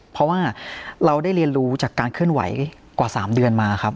เพราะว่าเราได้เรียนรู้จากการเคลื่อนไหวกว่า๓เดือนมาครับ